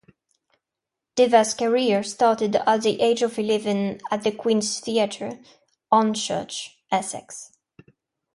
Deva's career started at the age of eleven at the Queen's Theatre, Hornchurch, Essex.